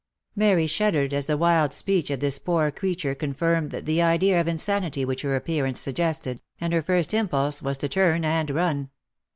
Mary shuddered as the wild speech of this poor creature con firmed the idea of insanity which her appearance suggested, and her first impulse was to turn and run.